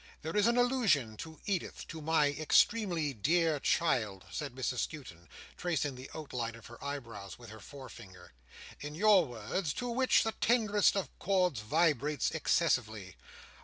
There is an allusion to Edith—to my extremely dear child," said Mrs Skewton, tracing the outline of her eyebrows with her forefinger, "in your words, to which the tenderest of chords vibrates excessively."